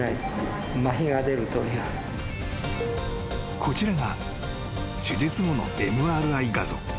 ［こちらが手術後のＭＲＩ画像］